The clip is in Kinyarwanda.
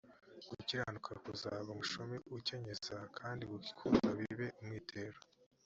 gukiranuka kuzaba umushumi akenyeza kandi gukunda bibe umwitero